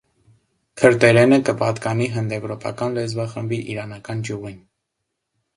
Քրտերէնը կը պատկանի հնդեւրոպական լեզուախումբի իրանական ճիւղին։